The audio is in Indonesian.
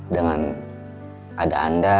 dengan ada anda